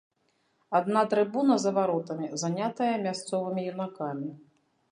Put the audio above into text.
Адна трыбуна за варотамі занятая мясцовымі юнакамі.